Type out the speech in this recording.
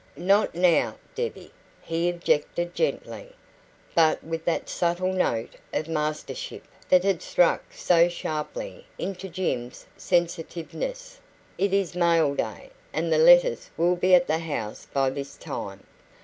"Not now, Debbie," he objected gently, but with that subtle note of mastership that had struck so sharply into Jim's sensitiveness; "it is mail day, and the letters will be at the house by this time."